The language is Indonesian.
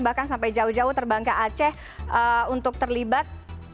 bahkan sampai jauh jauh terbang ke aceh untuk terlibat